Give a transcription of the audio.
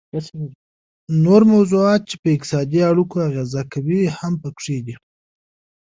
نور موضوعات چې په اقتصادي اړیکو اغیزه کوي هم پکې دي